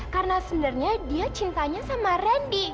karena sebenernya dia cintanya sama randy